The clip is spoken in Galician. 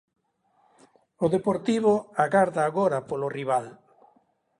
O Deportivo agarda agora polo rival.